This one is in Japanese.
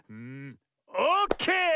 オッケー！